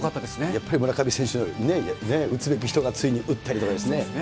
やっぱり村上選手、打つべき人がついに打ったりとかですね。